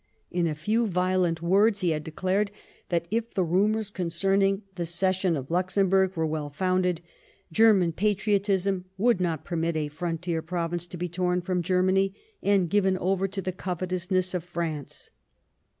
In a few violent words he had declared that, if the rumours concerning the cession of Luxemburg were well founded, German patriotism would not permit a Frontier Province to be torn from Germany and given over to the covetousness of France.